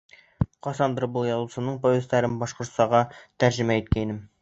Ҡасандыр был яҙыусының повестарын башҡортсаға тәржемә иткәйнем.